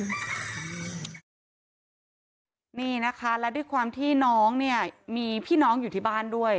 นี่นะคะและด้วยความที่น้องเนี่ยมีพี่น้องอยู่ที่บ้านด้วย